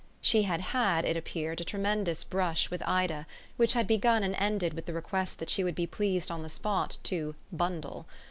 She had had, it appeared, a tremendous brush with Ida, which had begun and ended with the request that she would be pleased on the spot to "bundle."